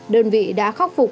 đơn vị đã khắc phục